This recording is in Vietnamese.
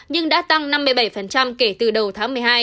nhưng đã tăng năm mươi bảy kể từ đầu tháng một mươi hai